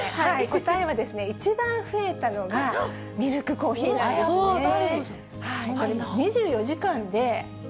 答えは、一番増えたのがミルクコーヒーなんですね。